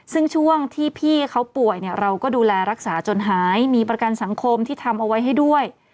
ซึ่งช่วงที่พี่เขาป่วยเนี่ยเราก็ดูแลรักษาจนหายมีประกันสังคมที่ทำเอาไว้ให้ด้วย